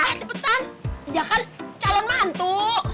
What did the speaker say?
udah cepetan iya kan calon mantu